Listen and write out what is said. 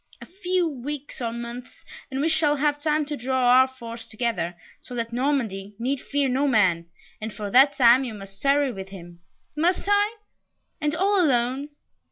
A few weeks or months, and we shall have time to draw our force together, so that Normandy need fear no man, and for that time you must tarry with him." "Must I and all alone?"